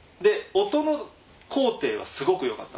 音の高低はすごくよかった。